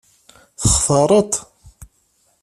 Textaṛeḍ-t?